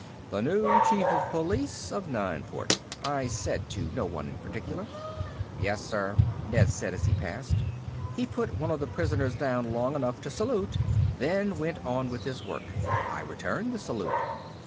"The new Chief of Police of Nineport," I said to no one in particular. "Yes, sir," Ned said as he passed. He put one of the prisoners down long enough to salute, then went on with his work. I returned the salute.